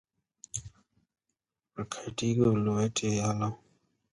He joined the Salvadoran Army and rose to the rank of Colonel.